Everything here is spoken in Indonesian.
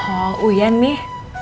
oh uyan nih